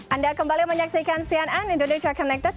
anda kembali menyaksikan cnn indonesia connected